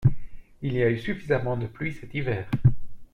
Il y a eu suffisamment de pluie cet hiver.